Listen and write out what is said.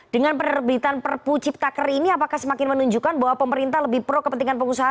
dengan penerbitan perpu ciptaker ini apakah semakin menunjukkan bahwa pemerintah lebih pro kepentingan pengusaha